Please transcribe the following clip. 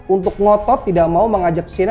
untuk ngotot tidak mau mengajak china